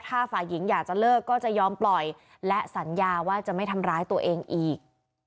ถ้าฝ่ายหญิงอยากจะเลิกก็จะยอมปล่อยและสัญญาว่าจะไม่ทำร้ายตัวเองอีก